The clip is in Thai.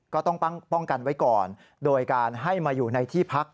ก็ต้องป้องกันไว้ก่อนโดยการให้มาอยู่ในที่พัก